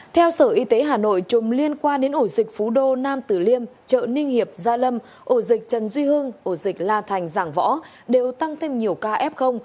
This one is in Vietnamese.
theo sở y tế hà nội chùm liên quan đến ổ dịch phú đô nam tử liêm chợ ninh hiệp gia lâm ổ dịch trần duy hưng ổ dịch la thành giảng võ đều tăng thêm nhiều ca f